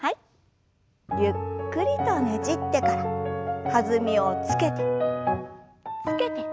ゆっくりとねじってから弾みをつけてつけて。